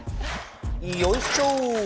よいしょ！